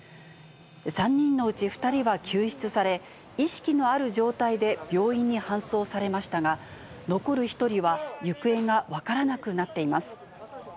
３人のうち２人は救出され、意識のある状態で病院に搬送されましたが、残る１人は行方が分からなくなっています。